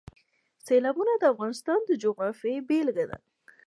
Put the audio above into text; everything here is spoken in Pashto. سیلابونه د افغانستان د جغرافیې بېلګه ده.